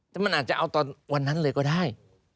แต่มันอาจจะเอาตอนวันนั้นเลยก็ได้